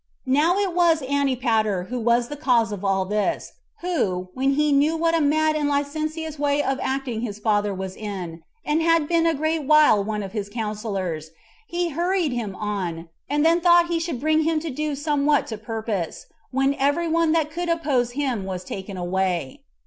4. Now it was Antipater who was the cause of all this; who when he knew what a mad and licentious way of acting his father was in, and had been a great while one of his counselors, he hurried him on, and then thought he should bring him to do somewhat to purpose, when every one that could oppose him was taken away.